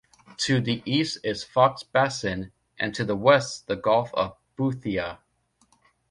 To the east is Foxe Basin and to the west the Gulf of Boothia.